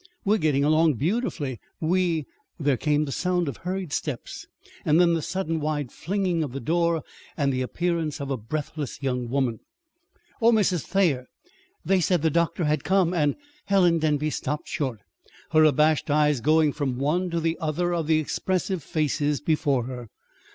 We're getting along beautifully. We " There came the sound of hurried steps, then the sudden wide flinging of the door, and the appearance of a breathless young woman. "Oh, Mrs. Thayer, they said the doctor had come, and " Helen Denby stopped short, her abashed eyes going from one to the other of the expressive faces before her.